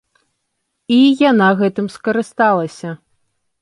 І яна гэтым скарысталася.